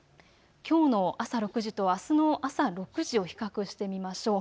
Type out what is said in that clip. きょうの朝６時とあすの朝６時を比較してみましょう。